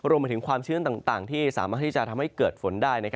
รวมไปถึงความชื้นต่างที่สามารถที่จะทำให้เกิดฝนได้